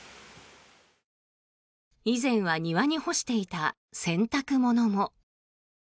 以前は庭に干していた洗濯物も。